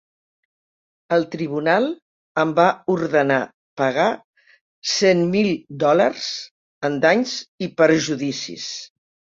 El tribunal em va ordenar pagar cent mil dòlars en danys i perjudicis.